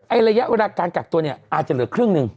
ระยะเวลาการกักตัวเนี่ยอาจจะเหลือครึ่งหนึ่ง